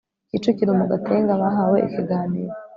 Kicukiro mu Gatenga bahawe ikiganiro